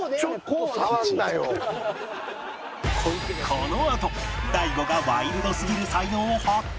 このあと大悟がワイルドすぎる才能を発揮